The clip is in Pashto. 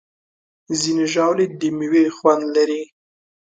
ځینې ژاولې د میوې خوند لري.